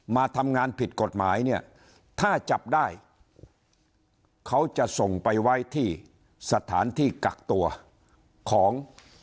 มาทำงานผิดกฎหมายเนี่ยถ้าจับได้เขาจะส่งไปไว้ที่สถานที่กักตัวของ